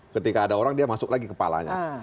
ketika ada orang dia masuk lagi kepalanya